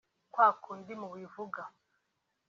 kwa kundi mubivuga